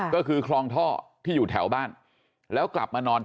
ก็คือคลองท่อที่อยู่แถวบ้านแล้วกลับมานอน